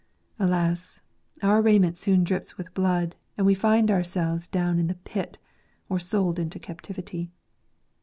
Alas, our raiment soon drips with blood, and we find ourselves down in the pit, or sold into captivity.